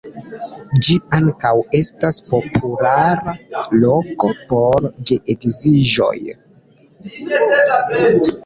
Ĝi ankaŭ estas populara loko por geedziĝoj.